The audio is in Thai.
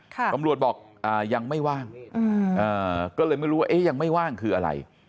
ตำรวจบอกยังไม่ว่างก็เลยไม่รู้ว่ายังไม่ว่างคืออะไร